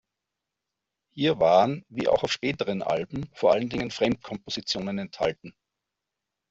Hier waren wie auch auf späteren Alben vor allen Dingen Fremdkompositionen enthalten.